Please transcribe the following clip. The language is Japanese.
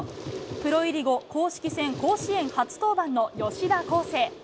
プロ入り後、公式戦甲子園初登板の吉田輝星。